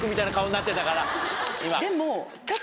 でも。